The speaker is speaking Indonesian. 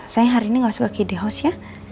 saya hari ini nggak masuk ke kd house ya